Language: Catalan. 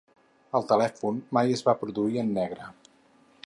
El telèfon mai es va produir en negre.